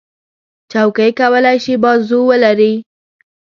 چوکۍ کولی شي بازو ولري.